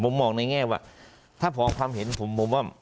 ผมมองในแง่ว่าถ้าพอความเห็นผมผมว่า